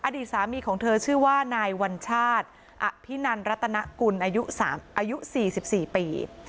อดีตสามีของเธอชื่อว่านายวัญชาติอภินันรัตนกุลอายุ๔๔ปี